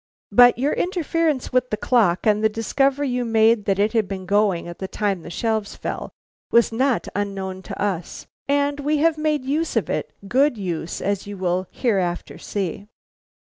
"But your interference with the clock and the discovery you made that it had been going at the time the shelves fell, was not unknown to us, and we have made use of it, good use as you will hereafter see."